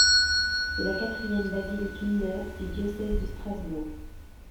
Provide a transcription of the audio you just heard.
C'est la quatrième basilique mineure du diocèse de Strasbourg.